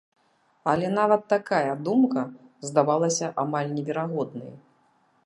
Але нават такая думка здавалася амаль неверагоднай.